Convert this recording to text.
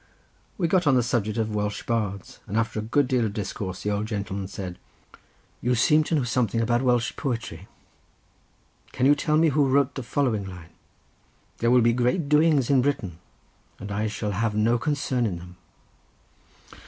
We got on the subject of Welsh bards, and after a good deal of discourse the old gentleman said: "You seem to know something about Welsh poetry; can you tell me who wrote the following line? "'There will be great doings in Britain, and I shall have no concern in them.